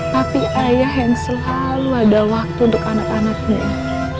tapi ayah yang selalu ada waktu untuk anak anaknya